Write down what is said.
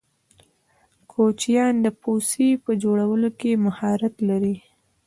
کوچیان د پوڅې په جوړولو کی مهارت لرې.